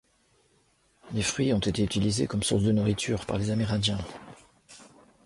Les fruits ont été utilisés comme source de nourriture par les Amérindiens.